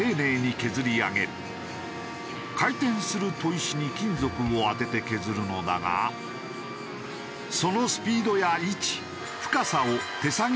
回転する砥石に金属を当てて削るのだがそのスピードや位置深さを手作業で調整。